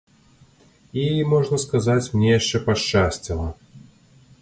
І, можна сказаць, мне яшчэ пашчасціла.